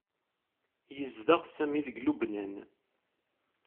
Yezdeɣ Sami deg Lubnan.